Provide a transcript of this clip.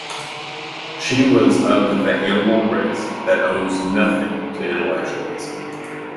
She was of the animal race that owes nothing to intellectualism.